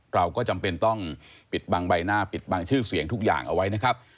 เราก็จำเป็นต้องปิดบังใบหน้าปิดบังชื่อเสียงทุกอย่างเอาไว้นะครับ